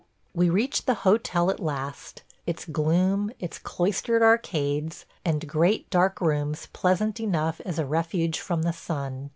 We reach the hotel at last, its gloom, its cloistered arcades and great dark rooms pleasant enough as a refuge from the sun.